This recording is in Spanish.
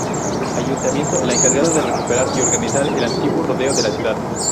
Ayuntamiento, la encargada de recuperar y organizar el antiguo rodeo de la ciudad.